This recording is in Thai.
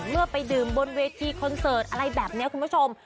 เมื่อไปดื่มบนเวทีคอนเสิร์ตอะไรแบบนี้คุณผู้ชม